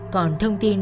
còn thông tin